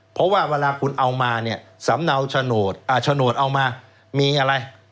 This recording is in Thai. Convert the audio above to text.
เพราะว่าเวลาคุณเอามาเนี้ยสำเนาชะโดดอ่าชะโดดเอามามีอะไร